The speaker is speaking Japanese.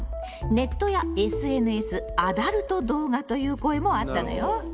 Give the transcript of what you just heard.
ネットやＳＮＳアダルト動画という声もあったのよ。